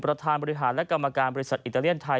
ประธานบริหารและกรรมการบริษัทอิตาเลียนไทย